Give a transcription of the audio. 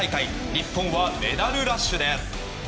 日本はメダルラッシュです。